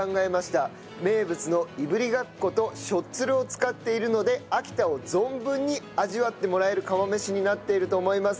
名物のいぶりがっことしょっつるを使っているので秋田を存分に味わってもらえる釜飯になっていると思います。